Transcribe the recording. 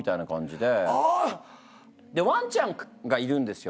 でワンちゃんがいるんですよ